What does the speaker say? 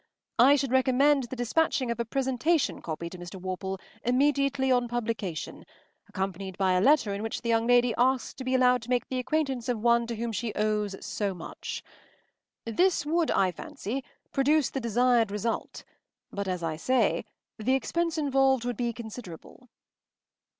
I should recommend the dispatching of a presentation copy to Mr. Worple, immediately on publication, accompanied by a letter in which the young lady asks to be allowed to make the acquaintance of one to whom she owes so much. This would, I fancy, produce the desired result, but as I say, the expense involved would be considerable.